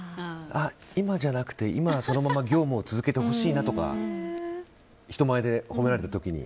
今じゃなくて、今はそのまま業務を続けてほしいなとか人前で褒められた時に。